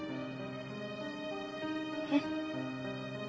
えっ？